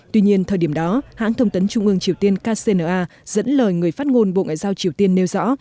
tuy nhiên thời điểm đó hãng thông tấn trung ương triều tiên kcna dẫn lời người phát ngôn bộ ngoại giao triều tiên nêu rõ